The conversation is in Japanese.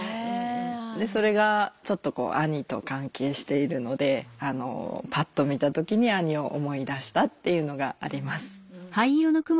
でそれがちょっとこう兄と関係しているのでパッと見た時に兄を思い出したっていうのがあります。